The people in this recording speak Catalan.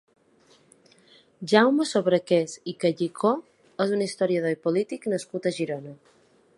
Jaume Sobrequés i Callicó és un historiador i polític nascut a Girona.